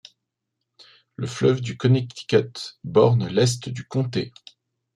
Le fleuve du Connecticut borne l'est du comté.